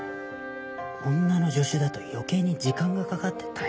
女の助手だと余計に時間がかかって大変ですね。